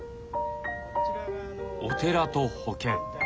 お寺と保険。